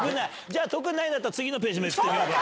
特にないんだったら、次のページ、めくってみようか。